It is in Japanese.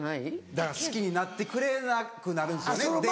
だから好きになってくれなくなるんですよね。